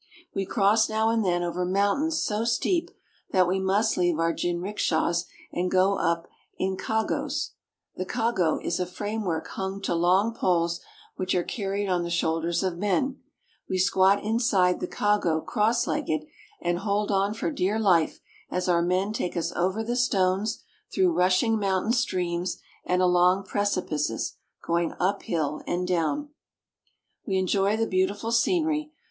We cross now and then over mountains so steep that we must leave our jinrikishas and go up in kagos (ka'gos). The kago is a framework hung to long poles which are carried on the shoulders of men. We squat inside the kago cross legged, and hold on for dear life as our men take us over the stones, through rushing mountain streams, and along precipices, going up hill and down. "They are filled with Japanese JAPANESE FARMS AND FARMERS 79 We enjoy the beautiful scenery.